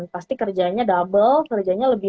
pasti kerjanya double kerjanya lebih